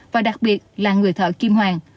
và đặc biệt là người thợ kim hoàng